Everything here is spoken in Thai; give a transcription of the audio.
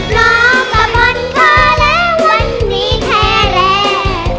นอกกะพนก็แล้ววันนี้แท้แรง